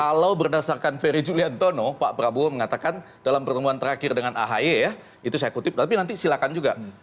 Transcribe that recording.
kalau berdasarkan ferry juliantono pak prabowo mengatakan dalam pertemuan terakhir dengan ahy ya itu saya kutip tapi nanti silakan juga